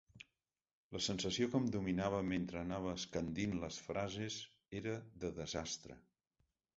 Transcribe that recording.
La sensació que em dominava mentre anava escandint les frases era de desastre.